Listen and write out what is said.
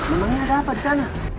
memangnya ada apa disana